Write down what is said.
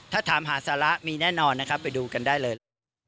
ถ้าถามหาสาระมีแน่นอนนะครับไปดูกันได้เลย